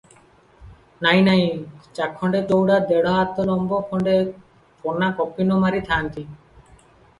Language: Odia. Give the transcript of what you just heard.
ନାହିଁ, ନାହିଁ ଚାଖଣ୍ଡେ ଚୌଡ଼ା ଦେଢ ହାତ ଲମ୍ବ ଖଣ୍ଡେ କନା କୌପୀନ ମାରିଥାଆନ୍ତି ।